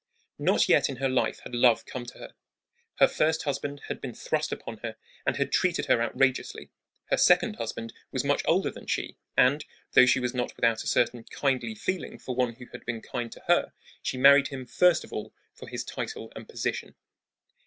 Not yet in her life had love come to her. Her first husband had been thrust upon her and had treated her outrageously. Her second husband was much older than she; and, though she was not without a certain kindly feeling for one who had been kind to her, she married him, first of all, for his title and position.